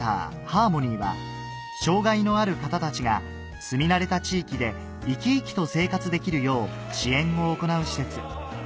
はーもにー」は障がいのある方たちが住み慣れた地域で生き生きと生活できるよう支援を行う施設